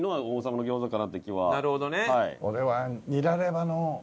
なるほどね。